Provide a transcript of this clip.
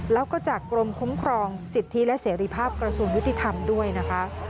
แล้วก็จากกรมคุ้มครองสิทธิและเสรีภาพกระทรวงยุติธรรมด้วยนะคะ